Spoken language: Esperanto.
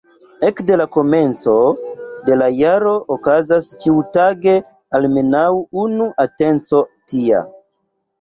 Ekde la komenco de la jaro okazas ĉiutage almenaŭ unu atenco tia.